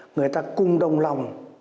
người ta cung đồng lòng